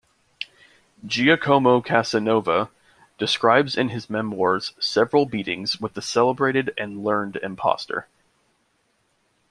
Giacomo Casanova describes in his memoirs several meetings with the "celebrated and learned impostor".